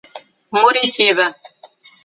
Muritiba